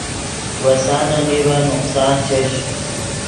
وسانے نیڤن نقصان چش